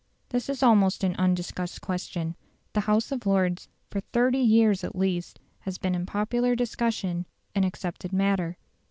This is almost an undiscussed question. The House of Lords, for thirty years at least, has been in popular discussion an accepted matter.